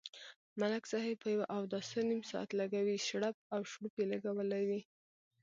ملک صاحب په یوه اوداسه نیم ساعت لگوي، شړپ او شړوپ یې لگولی وي.